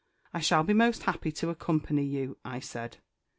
"I shall he most happy to accompany you," I said.